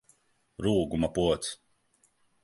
Rūguma pods!